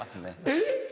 えっ？